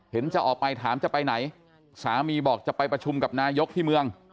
จะออกไปถามจะไปไหนสามีบอกจะไปประชุมกับนายกที่เมือง